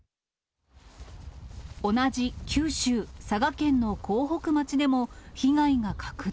同じ九州、佐賀県の江北町でも、被害が拡大。